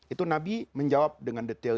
itu nabi menjawab dengan detail